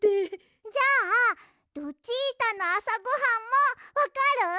じゃあルチータのあさごはんもわかる？